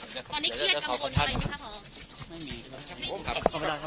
แล้วทำตามไปเพราะอะไรครับ